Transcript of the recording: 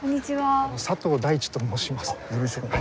佐藤大地と申します。